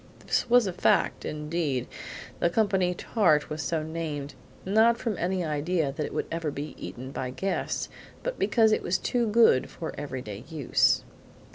This was a fact; indeed, the company tart was so named, not from any idea that it would ever be eaten by guests, but because it was too good for every day use.